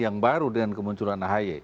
yang baru dengan kemunculan ahy